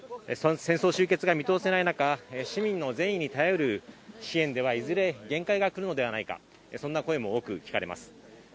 戦争終結が見通せない中、市民の善意に頼る支援ではいずれ限界がくるのではないか、そんな声も大きく聞かれます。